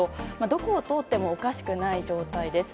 どこを通ってもおかしくない状態です。